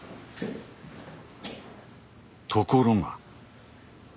ところが。